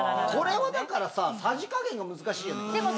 これはだからささじ加減が難しいよね。